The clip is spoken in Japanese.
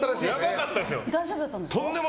大丈夫だったんですか？